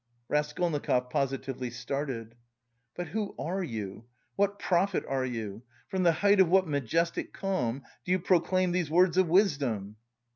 Raskolnikov positively started. "But who are you? what prophet are you? From the height of what majestic calm do you proclaim these words of wisdom?"